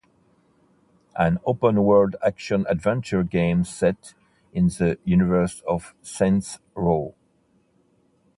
An open world action-adventure game set in the universe of Saints Row.